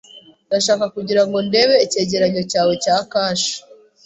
Ndashaka kugira ngo ndebe icyegeranyo cyawe cya kashe.